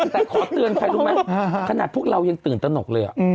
แต่ขอเตือนใครรู้ไหมขนาดพวกเรายังตื่นตนกเลย